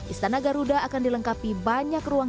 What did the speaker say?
istana garuda akan dilengkapi banyak ruang